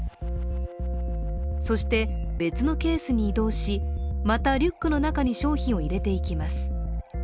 そして別のケースに移動し、またリュックの中に商品を入れていきます。